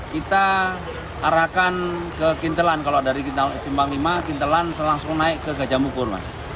kita arahkan ke kintelan kalau dari simpanglima kintelan selangsung naik ke gajah mukur